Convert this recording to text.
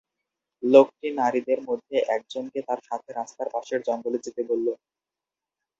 লোকটি নারীদের মধ্যে একজনকে তার সাথে রাস্তার পাশের জঙ্গলে যেতে বলে।